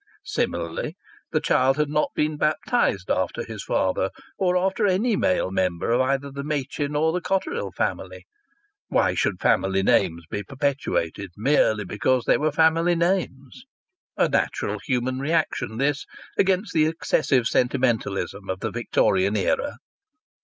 Similarly, the child had not been baptized after his father, or after any male member of either the Machin or the Cotterill family. Why should family names be perpetuated merely because they were family names? A natural human reaction, this, against the excessive sentimentalism of the Victorian era!